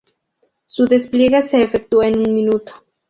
Su despliegue se efectúa en un minuto.